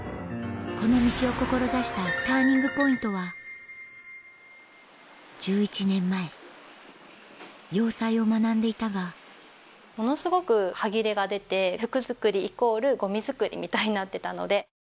この道を志したＴＵＲＮＩＮＧＰＯＩＮＴは１１年前洋裁を学んでいたがものすごく端切れが出て服作りイコールゴミ作りみたいになってたので。